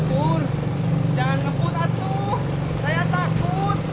pur jangan ngebut atuh saya takut